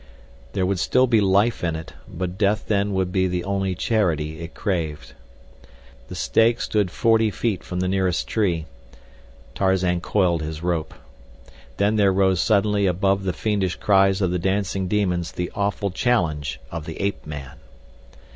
There would still be life in it, but death then would be the only charity it craved. The stake stood forty feet from the nearest tree. Tarzan coiled his rope. Then there rose suddenly above the fiendish cries of the dancing demons the awful challenge of the ape man.